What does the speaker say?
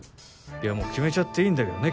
いやもう決めちゃっていいんだけどね